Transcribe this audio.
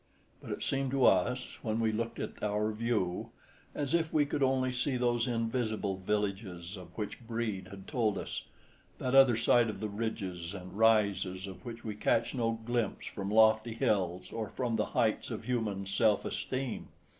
But it seemed to us, when we looked at "our view," as if we could only see those invisible villages of which Brede had told us—that other side of the ridges and rises of which we catch no glimpse from lofty hills or from the heights of human self esteem.